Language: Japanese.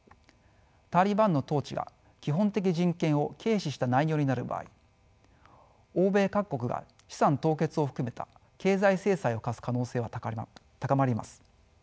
タリバンの統治が基本的人権を軽視した内容になる場合欧米各国が資産凍結を含めた経済制裁を科す可能性は高まります。